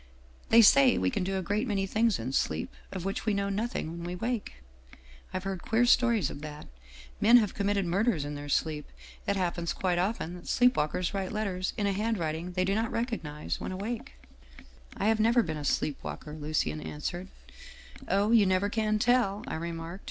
They say we can do a great many things in sleep, of which we know nothing when we wake. I've heard queer stories of that. Men have committed murders in their sleep. It happens quite often that sleep walkers write letters in a handwriting they do not recognize when awake/ "' I have never been a sleep walker/ answered Lucien. "' Oh, you never can tell/ I remarked.